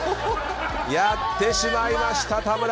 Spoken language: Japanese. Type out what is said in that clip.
やってしまいました田村淳。